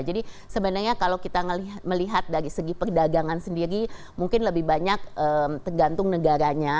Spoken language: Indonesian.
jadi sebenarnya kalau kita melihat dari segi perdagangan sendiri mungkin lebih banyak tergantung negaranya